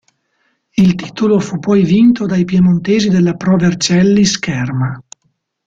Il titolo fu poi vinto dai piemontesi della Pro Vercelli Scherma.